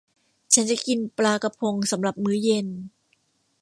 ฉันจะกินปลากระพงสำหรับมื้อเย็น